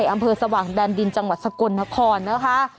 อำเภอสว่างแดนดินจังหวัดสกลนครนะคะ